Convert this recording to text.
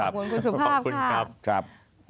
ค่ะขอบคุณคุณสุภาพค่ะขอบคุณครับ